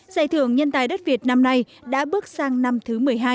giải thưởng nhân tài đất việt năm nay đã bước sang năm thứ một mươi hai